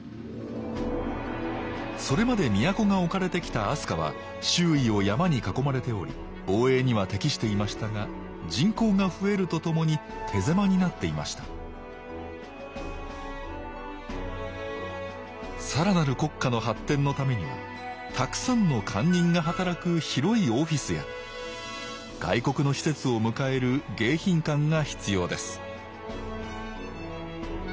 それまで都が置かれてきた飛鳥は周囲を山に囲まれており防衛には適していましたが人口が増えるとともに手狭になっていました更なる国家の発展のためにはたくさんの官人が働く広いオフィスや外国の使節を迎える迎賓館が必要です